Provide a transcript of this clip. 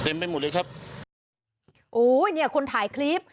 โอ้ยเนี่ยคนถ่ายคลิป